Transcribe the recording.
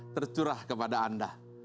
tercurah kepada anda